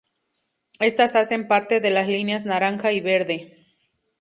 Estas hacen parte de las líneas naranja y verde.